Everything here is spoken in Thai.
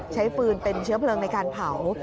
ฟืนเป็นเชื้อเพลิงในการเผา